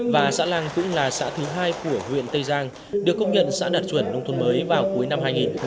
và xã lăng cũng là xã thứ hai của huyện tây giang được công nhận xã đạt chuẩn nông thôn mới vào cuối năm hai nghìn một mươi